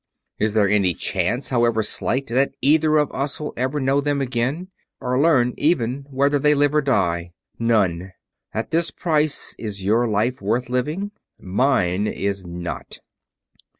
Is there any chance, however slight, that either of us will ever know them again; or learn even whether they live or die? None. At this price, is your life worth living? Mine is not."